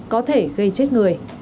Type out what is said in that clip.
có thể gây chết người